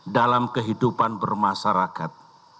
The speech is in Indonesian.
dalam kehidupan bermasyarakat